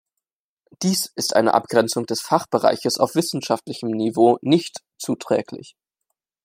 Dies ist einer Abgrenzung des Fachbereiches auf wissenschaftlichem Niveau nicht zuträglich.